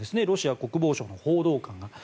ロシア国防省の報道官が。